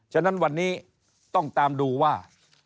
ฉะนั้นวันนี้ต้องตามดูว่า